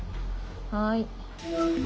はい。